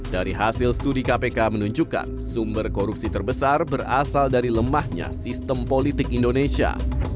dari hasil studi kpk menunjukkan sumber korupsi terbesar berasal dari lemahnya sistem politik indonesia